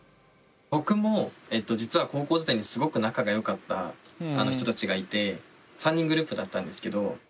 僕も実は高校時代にすごく仲がよかった人たちがいて３人グループだったんですけど。